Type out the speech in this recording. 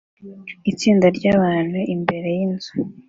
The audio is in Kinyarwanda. Itsinda ryabantu imbere yinzu